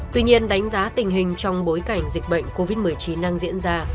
tuy nhiên đánh giá tình hình trong bối cảnh dịch bệnh covid một mươi chín đang diễn ra